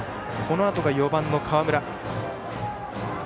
このあとが４番、河村。